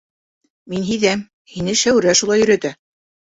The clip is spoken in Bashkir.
Мин һиҙәм: һине Шәүрә шулай өйрәтә.